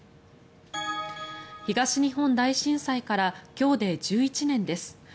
東日本大震災から今日で１１年です。